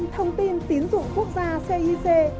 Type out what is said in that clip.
thông tin tín dụ quốc gia cic